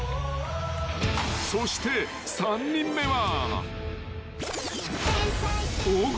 ［そして３人目は］